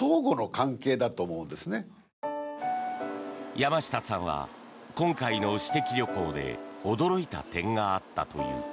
山下さんは今回の私的旅行で驚いた点があったという。